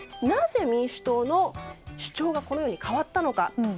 なぜ、民主党の主張がこのように変わったのか。